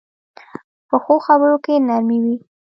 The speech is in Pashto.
پخو خبرو کې نرمي وي